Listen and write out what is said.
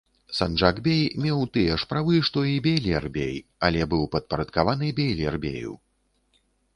Санджак-бей меў тыя ж правы, што і бейлер-бей, але быў падпарадкаваны бейлер-бею.